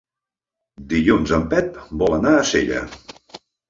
Dilluns en Pep vol anar a Sella.